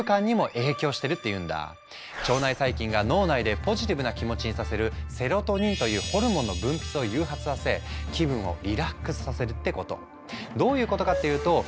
腸内細菌が脳内でポジティブな気持ちにさせるセロトニンというホルモンの分泌を誘発させ気分をリラックスさせるってこと。